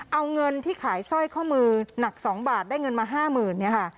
เอาเงินที่ขายสร้อยข้อมือหนัก๒บาทได้เงินมา๕๐๐๐เนี่ยค่ะ